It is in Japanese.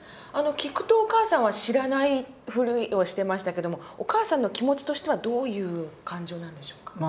あの聞くとお母さんは知らないふりをしてましたけどもお母さんの気持ちとしてはどういう感情なんでしょうか。